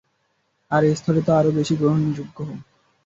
আর এ স্থলে তো তা আরও বেশি অগ্রহণযোগ্য।